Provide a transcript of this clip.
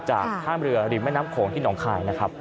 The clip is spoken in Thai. จากท่ามเรือริมแม่น้ำโขงที่หนองคายนะครับ